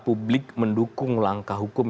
publik mendukung langkah hukum